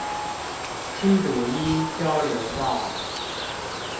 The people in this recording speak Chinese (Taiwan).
七堵一交流道